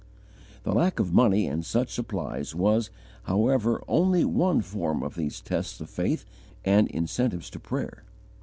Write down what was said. The lack of money and such supplies was, however, only one form of these tests of faith and incentives to prayer.